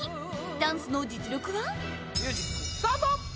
ダンスの実力は？